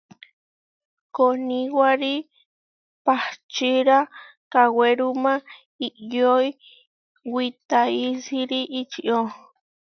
Koniwári pahčíra kawéruma iʼyói witaísiri ičió.